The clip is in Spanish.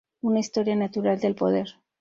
Una historia natural del poder".